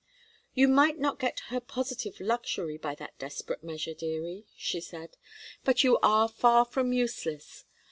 "You might not get her positive luxury by that desperate measure, dearie," she said. "But you are far from useless.